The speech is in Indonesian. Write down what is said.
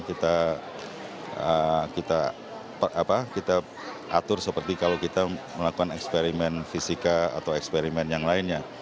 kita atur seperti kalau kita melakukan eksperimen fisika atau eksperimen yang lainnya